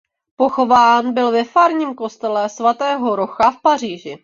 Pochován byl ve farním kostele svatého Rocha v Paříži.